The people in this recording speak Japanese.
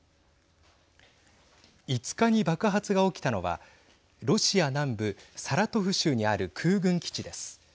５日に爆発が起きたのはロシア南部サラトフ州にある空軍基地です。